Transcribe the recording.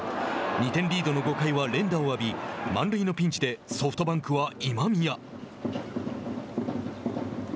２点リードの５回は連打を浴び満塁のピンチでソフトバンクは今宮。